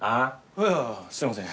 いやすいません。